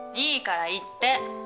いいから言って！